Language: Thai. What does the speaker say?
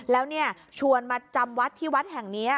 แล้วชวนมาจำวัดที่วัดแห่งนี้